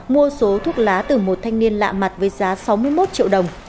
mua số thuốc lá từ một thanh niên lạ mặt với giá sáu mươi một triệu đồng